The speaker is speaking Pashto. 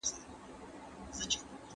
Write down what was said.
په قلم لیکنه کول د محرمیت د ساتلو ضمانت کوي.